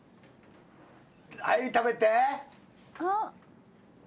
はい食べて。